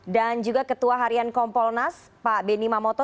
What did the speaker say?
dan juga ketua harian kompolnas pak benny mamoto